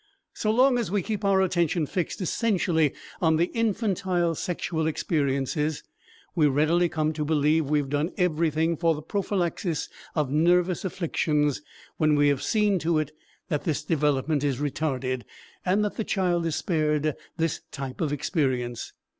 So long as we keep our attention fixed essentially on the infantile sexual experiences, we readily come to believe we have done everything for the prophylaxis of nervous afflictions when we have seen to it that this development is retarded, and that the child is spared this type of experience.